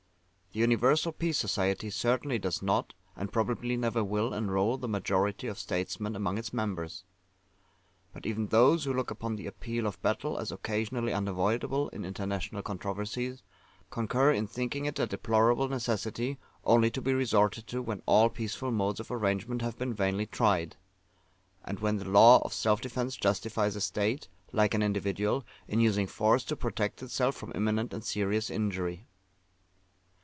The Universal Peace Society certainly does not, and probably never will, enrol the majority of statesmen among its members. But even those who look upon the Appeal of Battle as occasionally unavoidable in international controversies, concur in thinking it a deplorable necessity, only to be resorted to when all peaceful modes of arrangement have been vainly tried; and when the law of self defence justifies a State, like an individual, in using force to protect itself from imminent and serious injury.